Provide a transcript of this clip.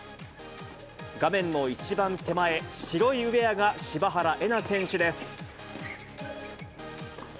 画面の一番手前、白いウエアが柴原瑛菜選手です。